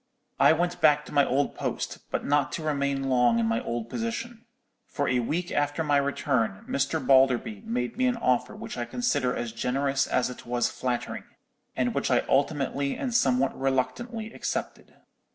I went back to my old post, but not to remain long in my old position; for a week after my return Mr. Balderby made me an offer which I considered as generous as it was flattering, and which I ultimately and somewhat reluctantly accepted.